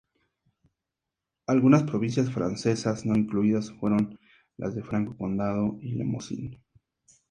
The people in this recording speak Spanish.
Algunas provincias francesas no incluidas fueron las de Franco Condado y Lemosín.